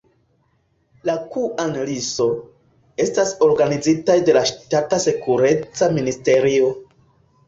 La Kŭan-li-so, estas organizitaj de la ŝtata sekureca ministerio.